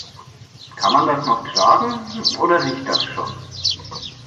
Kann man das noch tragen, oder riecht das schon?